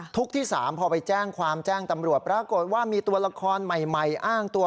ที่๓พอไปแจ้งความแจ้งตำรวจปรากฏว่ามีตัวละครใหม่อ้างตัว